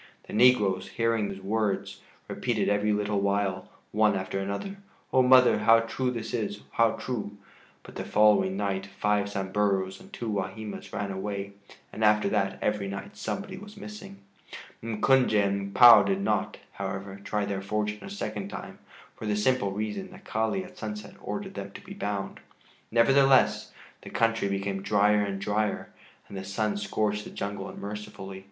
The negroes, hearing his words, repeated every little while, one after another: "Oh, mother, how true that is, how true!" but the following night five Samburus and two Wahimas ran away, and after that every night somebody was missing. M'Kunje and M'Pua did not, however, try their fortune a second time for the simple reason that Kali at sunset ordered them to be bound. Nevertheless, the country became drier and drier, and the sun scorched the jungle unmercifully.